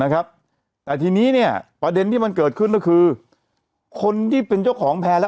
นะครับแต่ทีนี้เนี่ยประเด็นที่มันเกิดขึ้นก็คือคนที่เป็นเจ้าของแพร่แล้ว